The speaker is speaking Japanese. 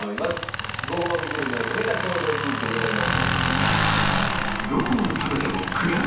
ごほうびグルメをかけた工場クイズでございます。